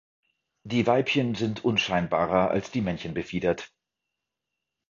Die Weibchen sind unscheinbarer als die Männchen befiedert.